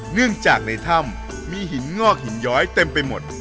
เนื่องจากในถ้ำมีหินงอกหินย้อยเต็มไปหมด